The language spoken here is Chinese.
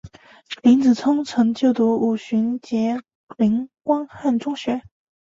林子聪曾就读五旬节林汉光中学。